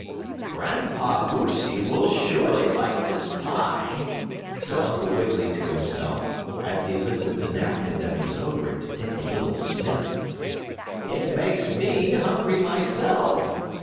"Grandpa Goosey will surely like this pie," said Uncle Wiggily to himself, as he lifted the napkin that was over it to take a little sniff. "It makes me hungry myself.